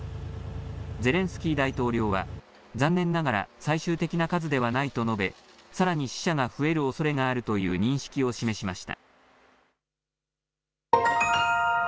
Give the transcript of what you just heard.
ゼレンスキー大統領は残念ながら最終的な数ではないと述べさらに死者が増えるおそれがあるという認識を示しました。